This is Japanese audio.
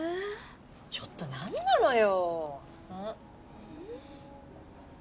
ちょっと何なのよ！